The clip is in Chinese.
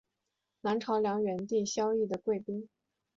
南朝梁元帝萧绎的贵嫔。